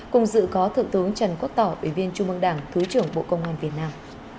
cùng dự có thượng tướng trần quốc tỏ ủy viên trung mương đảng thứ trưởng bộ công an việt nam